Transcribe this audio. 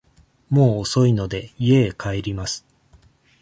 もう遅いので、家へ帰ります。